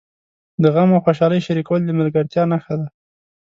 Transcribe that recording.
د غم او خوشالۍ شریکول د ملګرتیا نښه ده.